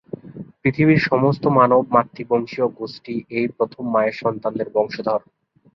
পৃথিবীর সমস্ত মানব-মাতৃবংশীয় গোষ্ঠী এই প্রথম মায়ের সন্তানদের বংশধর।